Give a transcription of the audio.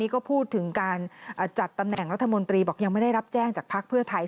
ก็พูดถึงการจัดตำแหน่งรัฐมนตรีบอกยังไม่ได้รับแจ้งจากภักดิ์เพื่อไทย